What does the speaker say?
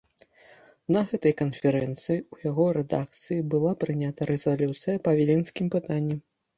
На гэтай канферэнцыі ў яго рэдакцыі была прынята рэзалюцыя па віленскім пытанні.